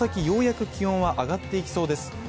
ようやく気温は上がっていきそうです。